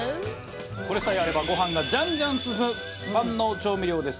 これさえあればご飯がジャンジャン進む万能調味料です。